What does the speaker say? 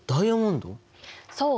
そう。